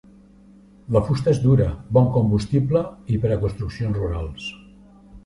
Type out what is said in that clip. La fusta és dura, bon combustible i per a construccions rurals.